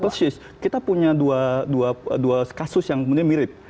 persis kita punya dua kasus yang kemudian mirip